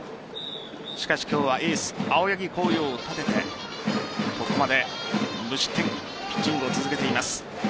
しかし今日はエース・青柳晃洋を立ててここまで無失点ピッチングを続けています。